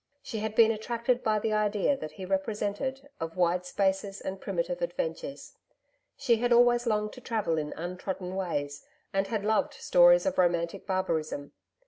She had been attracted by the idea that he represented, of wide spaces and primitive adventures. She had always longed to travel in untrodden ways, and had loved stories of romantic barbarism.